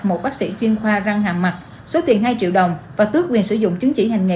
một bác sĩ chuyên khoa răng hàm mặt số tiền hai triệu đồng và tước quyền sử dụng chứng chỉ hành nghề